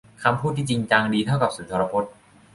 คำพูดที่จริงจังดีเท่ากับสุนทรพจน์